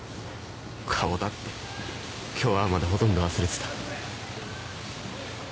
顔だって今日会うまでほとんど忘れてた。